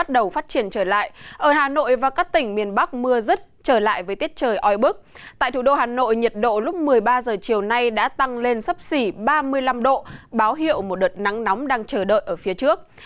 tại thủ đô hà nội nhiệt độ lúc một mươi ba h chiều nay đã tăng lên sấp xỉ ba mươi năm độ báo hiệu một đợt nắng nóng đang chờ đợi ở phía trước